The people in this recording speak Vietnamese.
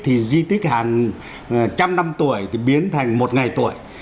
thì di tích hàng trăm năm tuổi thì biến thành một ngày tuổi